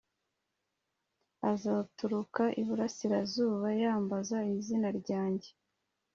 Azaturuka iburasirazuba m yambaza izina ryanjye